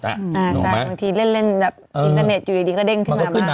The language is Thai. ใช่บางทีเล่นแบบอินเตอร์เน็ตอยู่ดีก็เด้งขึ้นมาบ้าง